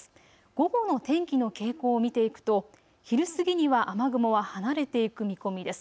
午後の天気の傾向を見ていくと昼過ぎには雨雲は離れていく見込みです。